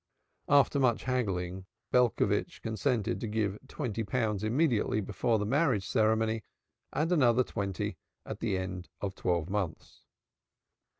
After much haggling Belcovitch consented to give twenty pounds immediately before the marriage ceremony and another twenty at the end of twelve months.